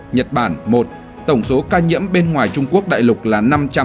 nhật bản một tổng số ca nhiễm bên ngoài trung quốc đại lục là năm trăm tám mươi bảy